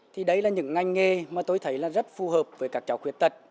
thì đấy là những ngành nghề mà tôi thấy rất phù hợp với các cháu khuyết tật